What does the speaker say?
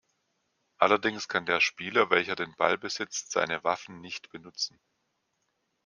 Allerdings kann der Spieler welcher den Ball besitzt seine Waffen nicht benutzen.